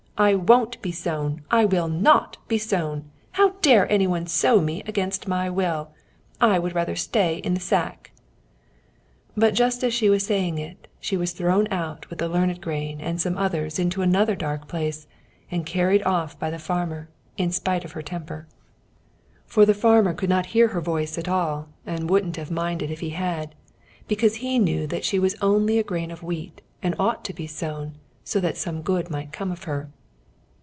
I won't be sown! I will not be sown! How dare anyone sow me against my will! I would rather stay in the sack." But just as she was saying it, she was thrown out with the learned grain and some others into another dark place, and carried off by the farmer, in spite of her temper; for the farmer could not hear her voice at all, and wouldn't have minded if he had, because he knew she was only a grain of wheat, and ought to be sown, so that some good might come of her.